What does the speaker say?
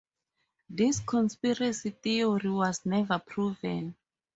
This conspiracy theory was never proven.